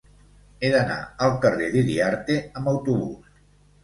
He d'anar al carrer d'Iriarte amb autobús.